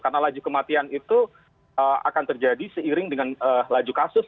karena laju kematian itu akan terjadi seiring dengan laju kasus